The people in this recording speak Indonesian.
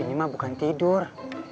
ini mah bukan tidur